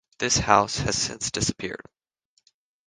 This house has since disappeared.